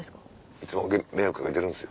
いつも迷惑掛けてるんですよ。